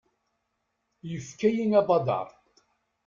Yefka-yi abadaṛ.